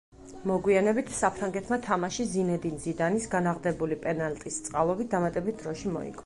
მოგვიანებით, საფრანგეთმა თამაში ზინედინ ზიდანის განაღდებული პენალტის წყალობით დამატებით დროში მოიგო.